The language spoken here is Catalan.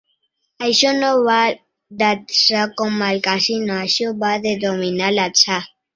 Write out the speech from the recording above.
Això no va d'atzar com al casino, això va de dominar l'atzar.